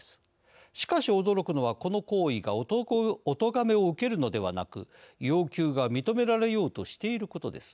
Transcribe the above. しかし驚くのはこの行為がおとがめを受けるのではなく要求が認められようとしていることです。